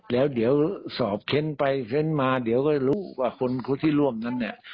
แล้วเดี๋ยวสอบเค้นไปเค้นมาเดี๋ยวก็รู้ว่าคนที่ร่วมนั้นเนี่ย